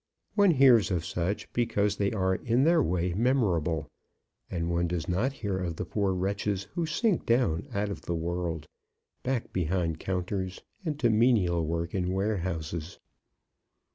One hears of such because they are in their way memorable; and one does not hear of the poor wretches who sink down out of the world back behind counters, and to menial work in warehouses.